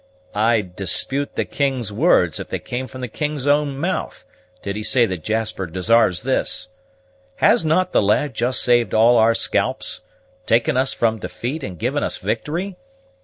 "I'd dispute the king's words, if they came from the king's own mouth, did he say that Jasper desarves this. Has not the lad just saved all our scalps, taken us from defeat, and given us victory?